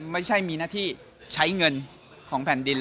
ไม่ใช่มีหน้าที่ใช้เงินของแผ่นดิน